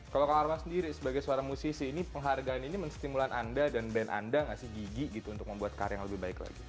kalau kamu sendiri sebagai suara musisi penghargaan ini menstimulkan anda dan band anda gak sih gigi untuk membuat karya yang lebih baik lagi